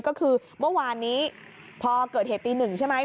ก็คือเมื่อวานนี้พอเกิดเหตุตีหนึ่งใช่ไหม